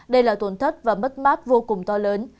đây là tổn thất và mất mát vô cùng to lớn